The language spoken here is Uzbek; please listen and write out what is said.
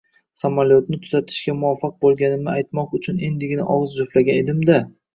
samolyotimni tuzatishga muvaffaq bo‘lganimni aytmoq uchun endigina og‘iz juftlagan edim-da!